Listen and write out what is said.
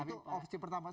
itu opsi pertama